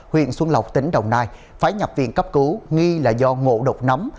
huyện xuân lộc tỉnh đồng nai phải nhập viện cấp cứu nghi là do ngộ độc nấm